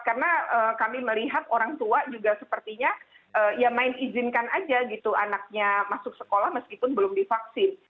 karena kami melihat orang tua juga sepertinya ya main izinkan aja gitu anaknya masuk sekolah meskipun belum divaksin